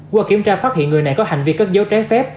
qua kiểm tra phát hiện người này có hành vi cất dấu trái phép